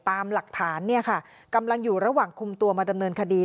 ตามหลักฐานเนี่ยค่ะกำลังอยู่ระหว่างคุมตัวมาดำเนินคดี